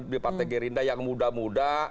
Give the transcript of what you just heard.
di partai gerindra yang muda muda